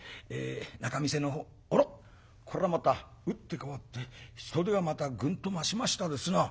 あらこれはまた打って変わって人出がまたぐんと増しましたですな。